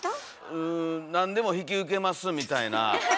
うん何でも引き受けますみたいな。